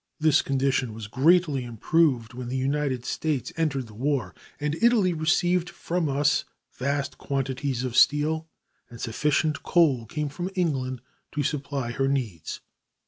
This condition was greatly improved when the United States entered the war, and Italy received from us vast quantities of steel, and sufficient coal came from England to supply her needs.